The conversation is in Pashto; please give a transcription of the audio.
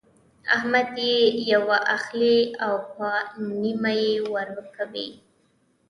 احمد يې په يوه اخلي او په نيمه يې ورکوي.